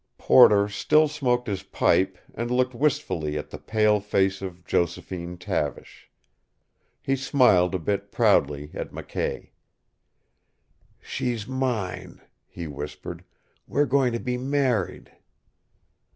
Porter still smoked his pipe, and looked wistfully at the pale face of Josephine Tavish. He smiled a bit proudly at McKay. "She's mine," he whispered. "We're going to be married."